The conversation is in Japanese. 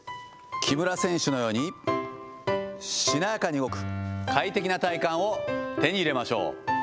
木村選手のように、しなやかに動く快適な体幹を手に入れましょう。